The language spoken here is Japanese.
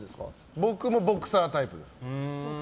僕もボクサータイプです。